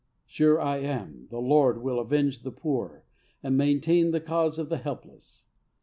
Sure I am, the Lord will avenge the poor, and maintain the cause of the helpless.